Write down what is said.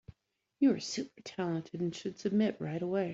You are super talented and should submit right away.